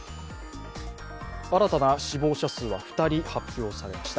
新たな死亡者数は２人発表されました。